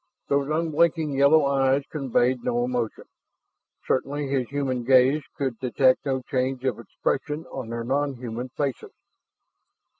Those unblinking yellow eyes conveyed no emotion; certainly his human gaze could detect no change of expression on their nonhuman faces.